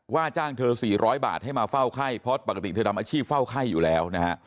จ้างเธอ๔๐๐บาทให้มาเฝ้าไข้เพราะปกติเธอทำอาชีพเฝ้าไข้อยู่แล้วนะฮะ